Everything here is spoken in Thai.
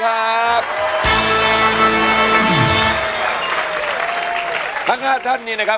กว่าจะจบรายการเนี่ย๔ทุ่มมาก